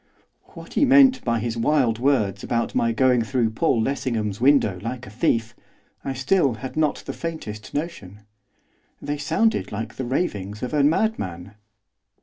What he meant by his wild words about my going through Paul Lessingham's window like a thief, I still had not the faintest notion. They sounded like the ravings of a madman.